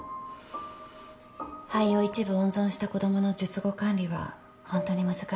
肺を一部温存した子供の術後管理はホントに難しい。